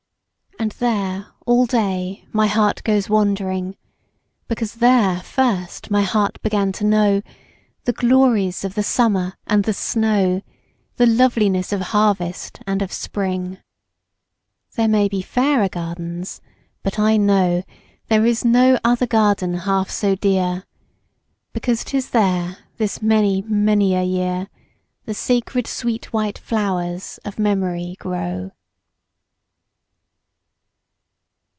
And there, all day, my heart goes wandering, Because there first my heart began to know The glories of the summer and the snow, The loveliness of harvest and of spring. There may be fairer gardens—but I know There is no other garden half so dear, Because 'tis there, this many, many a year, The sacred sweet white flowers of memory grow.